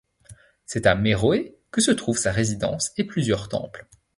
C'est à Méroé que se trouve sa résidence et plusieurs temples.